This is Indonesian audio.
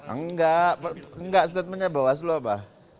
enggak enggak statementnya bawaslu apa